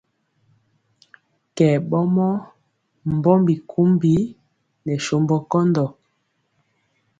Kɛ ɓɔmɔ mbɔmbi kumbi nɛ sombɔ kɔndɔ.